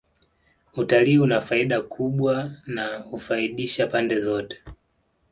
Utalii una faida kubwa na hufaidisha pande zote